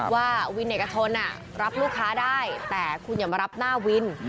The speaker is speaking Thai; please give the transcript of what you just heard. ว่าวินเอกชนรับลูกค้าได้แต่คุณอย่ามารับหน้าวิน